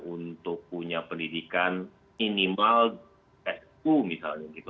untuk punya pendidikan minimal su misalnya gitu